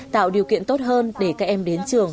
tạo điều kiện tốt hơn để các em đến trường